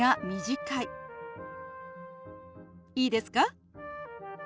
いいですか？